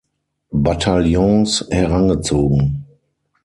Bataillons herangezogen.